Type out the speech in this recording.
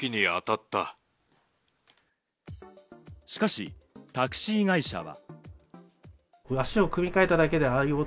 しかし、タクシー会社は。